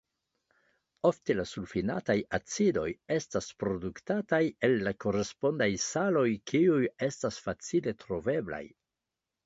Ofte la sulfinataj acidoj estas produktataj el la korespondaj saloj kiuj estas facile troveblaj.